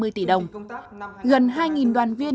gần hai đoàn viên được tổ chức công tác công an nhân dân